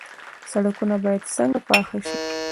سړکونه باید څنګه پاخه شي؟